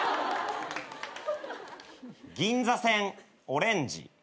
銀座線オレンジ。